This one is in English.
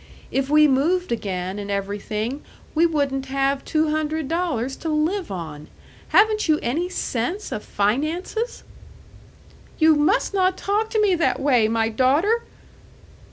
If we moved again and everything, we wouldn't have two hundred dollars to live on. Haven't you any sense of finances?" "You must not talk to me that way, my daughter!"